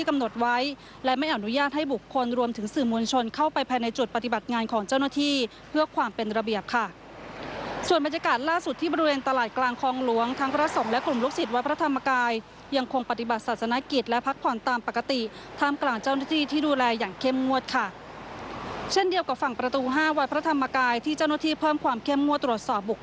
ที่กำหนดไว้และไม่อนุญาตให้บุคคลรวมถึงสื่อมวลชนเข้าไปภายในจุดปฏิบัติงานของเจ้าหน้าที่เพื่อความเป็นระเบียบค่ะส่วนบรรยากาศล่าสุดที่บริเวณตลาดกลางคลองล้วงทั้งพระสมและกลุ่มลูกศิษย์วัยพระธรรมกายยังคงปฏิบัติศาสนกิจและพักผ่อนตามปกติท่ามกลางเจ้าหน้าที่ที่ดู